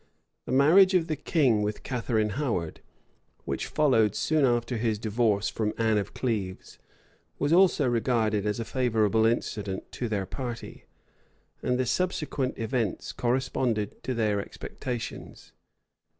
The marriage of the king with Catharine Howard, which followed soon after his divorce from Anne of Cleves, was also regarded as a favorable incident to their party; and the subsequent events corresponded to their expectations.